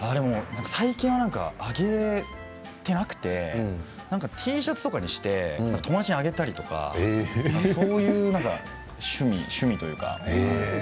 最近は上げていなくてＴシャツとかにして友達にあげたりとかそういう趣味趣味というか。